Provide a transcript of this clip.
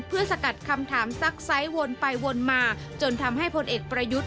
เพื่อสกัดคำถามซักไซส์วนไปวนมา